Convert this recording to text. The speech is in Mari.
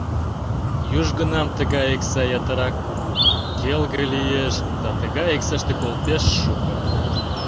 Южгунам тыгай икса ятырак кугу, келге лиеш да тыгай иксаште кол пеш шуко.